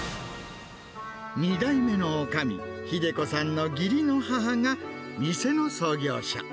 ２代目のおかみ、英子さんの義理の母が、店の創業者。